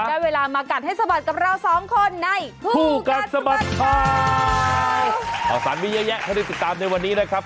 มันเวลามากัดให้สมัครกับเราสองคนในผู้กัดสมัครค่ะเอาสารวิเยอะแยะให้ที่ตามในวันนี้นะครับ